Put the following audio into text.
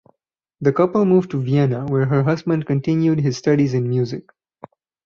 The couple moved to Vienna where her husband continued his studies in music.